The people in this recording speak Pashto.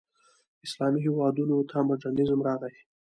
اسلامي هېوادونو ته مډرنیزم راغی.